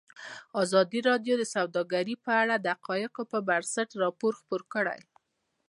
ازادي راډیو د سوداګري په اړه د حقایقو پر بنسټ راپور خپور کړی.